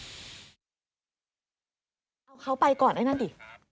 เอาเขาไปก่อนไอ้นั่นดิ